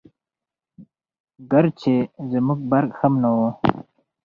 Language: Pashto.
ګرچې زموږ برق هم نه وو🤗